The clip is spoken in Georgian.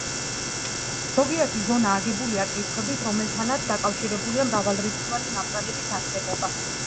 ზოგიერთი ზონა აგებულია კირქვებით, რომელთანაც დაკავშირებულია მრავალრიცხოვანი ნაპრალების არსებობა.